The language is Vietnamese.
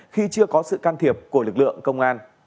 khi chưa có sự can thiệp của lực lượng công an